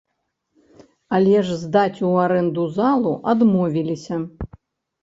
Але ж здаць ў арэнду залу адмовіліся.